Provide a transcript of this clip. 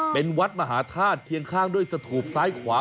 เป็นวัดมหาธาตุเคียงข้างด้วยสถูปซ้ายขวา